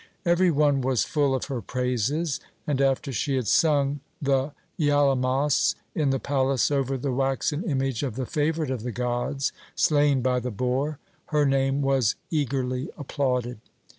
Every one was full of her praises, and after she had sung the Yalemos in the palace over the waxen image of the favourite of the gods, slain by the boar, her name was eagerly applauded.